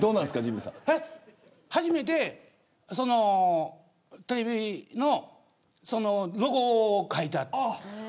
初めてテレビのロゴを描いた。